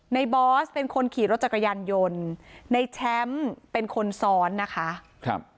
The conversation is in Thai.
บอสเป็นคนขี่รถจักรยานยนต์ในแชมป์เป็นคนซ้อนนะคะครับ